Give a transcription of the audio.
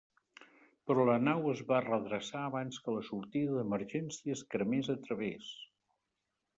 Però la nau es va redreçar abans que la sortida d'emergència es cremés a través.